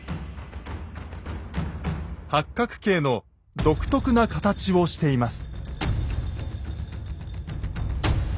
八角形の独特な形をしています。